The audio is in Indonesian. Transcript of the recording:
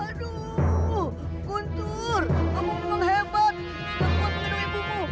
aduh guntur kamu memang hebat bisa mengenang ibumu